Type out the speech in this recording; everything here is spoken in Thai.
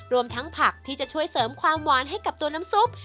รวมทั้งผักที่จะช่วยเสริมความหวานให้กับตัวน้ำซุป